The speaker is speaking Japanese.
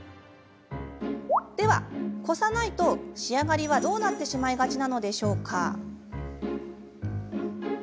ではこさないと仕上がりはどうなってしまいがちなのでしょうか？